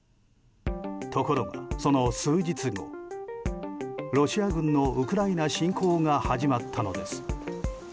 ところが、その数日後ロシア軍のウクライナ侵攻が始まったのです。